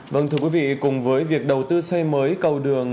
vâng thưa quý vị cùng với việc đầu tư xây mới cầu đường